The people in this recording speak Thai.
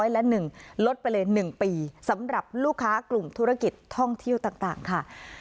ลดไปเลยหนึ่งปีสำหรับลูกค้ากลุ่มธุรกิจท่องเที่ยวต่างต่างค่ะ